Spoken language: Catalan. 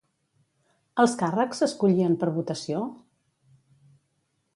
Els càrrecs s'escollien per votació?